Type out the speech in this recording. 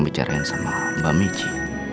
bicarain sama mbak miji